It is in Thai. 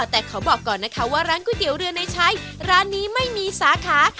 แต่ขอบอกก่อนนะคะว่าร้านก๋วยเตี๋ยวเรือในใช้ร้านนี้ไม่มีสาขา